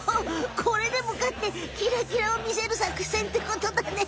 これでもかってキラキラをみせるさくせんってことだね。